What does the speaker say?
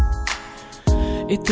aku akan mencintaimu